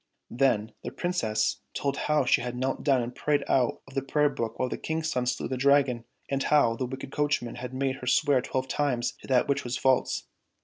Then the Princess told how she had knelt down and prayed out of the prayer book while the King's son slew the Dragon, and how the wicked coachman had made her swear twelve times to that which was false.